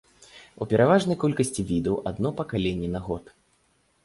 У пераважнай колькасці відаў адно пакаленне на год.